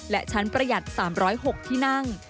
และชั้นประหยัด๓๐๖ที่นั่ง